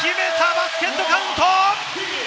バスケットカウント。